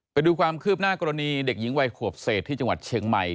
ไปดูความคืบหน้ากรณีเด็กหญิงวัยขวบเศษที่จังหวัดเชียงใหม่